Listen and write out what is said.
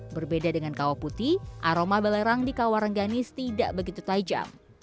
berbeda dengan kawah putih aroma belerang di kawarengganis tidak begitu tajam